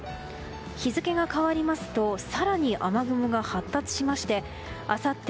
日付が変わりますと更に雨雲が発達しましてあさって